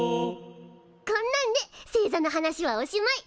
こんなんで星座の話はおしまい！